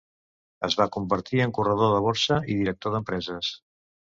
Es va convertir en corredor de borsa i director d'empreses.